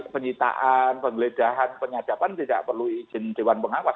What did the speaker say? penyitaan pengledahan penyajapan tidak perlu izin dewan pengawas